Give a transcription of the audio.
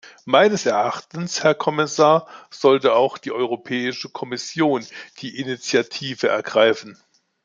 Meines Erachtens, Herr Kommissar, sollte auch die Europäische Kommission die Initiative ergreifen.